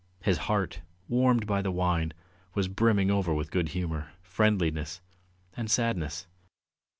His heart, warmed by the wine, was brimming over with good humour, friendliness, and sadness.